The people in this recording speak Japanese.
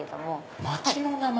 街の名前！